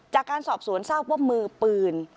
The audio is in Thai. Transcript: จากการสอบสวนทราบว่ามือปืน